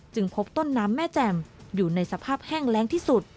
พบต้นน้ำแม่แจ่มอยู่ในสภาพแห้งแรงที่สุด